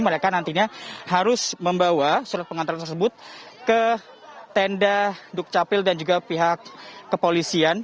mereka nantinya harus membawa surat pengantaran tersebut ke tenda dukcapil dan juga pihak kepolisian